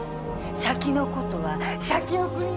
先のことは先送り。